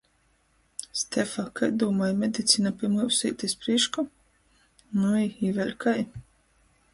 Stefa, kai dūmoj, medicina pi myusu īt iz prīšku? Nui, i vēļ kai...